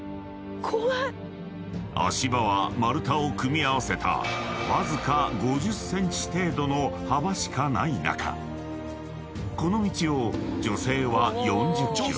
［足場は丸太を組み合わせたわずか５０ｃｍ程度の幅しかない中この道を］